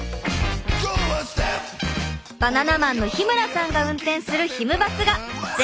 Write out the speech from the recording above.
バナナマンの日村さんが運転するひむ